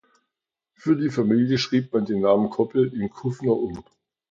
Für die Familie schrieb man den Namen "Koppel" in "Kuffner" um.